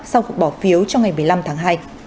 sau cuộc bỏ phiếu trong ngày một mươi năm tháng hai